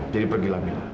jadi pergilah mila